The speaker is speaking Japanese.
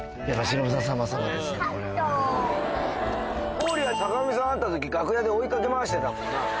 おうりは坂上さん会った時楽屋で追いかけ回してたもんな。